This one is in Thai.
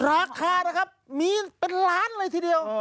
ราคานะครับมีเป็นล้านเลยทีเดียว